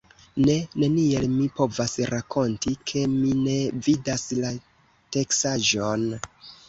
Ne, neniel mi povas rakonti, ke mi ne vidas la teksaĵon!